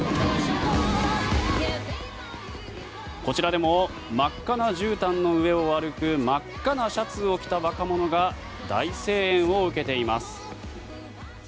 こちらでも真っ赤なじゅうたんの上を歩く真っ赤なシャツを着た若者が大声援を受けています。